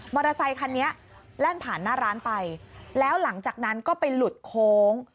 อเตอร์ไซคันนี้แล่นผ่านหน้าร้านไปแล้วหลังจากนั้นก็ไปหลุดโค้ง